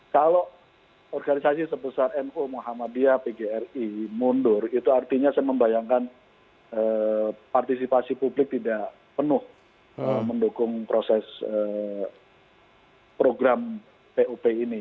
kalau organisasi sebesar nu muhammadiyah pgri mundur itu artinya saya membayangkan partisipasi publik tidak penuh mendukung proses program pup ini